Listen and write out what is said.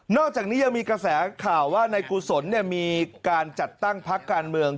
อกจากนี้ยังมีกระแสข่าวว่านายกุศลมีการจัดตั้งพักการเมือง